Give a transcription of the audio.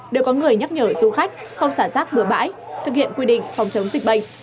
đều có người nhắc nhở du khách không xả rác bừa bãi thực hiện quy định phòng chống dịch bệnh